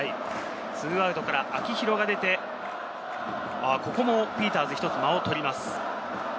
２アウトから秋広が出て、ここもピーターズ、一つ間を取ります。